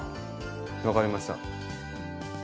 分かりました。